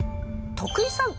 徳井さん。